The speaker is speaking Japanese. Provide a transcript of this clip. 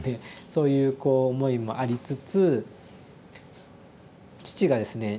そういうこう思いもありつつ父がですね